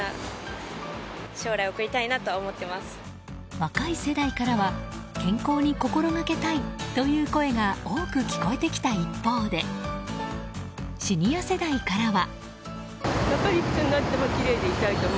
若い世代からは健康に心がけたいという声が多く聞こえてきた一方でシニア世代からは。